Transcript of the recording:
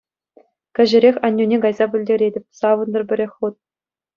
Кӗҫӗрех аннӳне кайса пӗлтеретӗп — савӑнтӑр пӗрех хут!